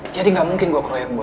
jadi gak mungkin gua keroyok boy